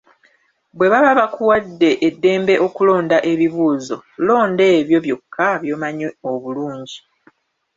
Bwe baba bakuwadde eddembe okulonda ebibuuzo, londa ebyo byokka by'omanyi obulungi.